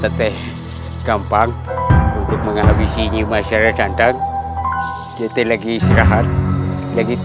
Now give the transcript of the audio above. terjatuh teh gampang untuk menghabisinya masyarakat dan jatil lagi istirahat lagi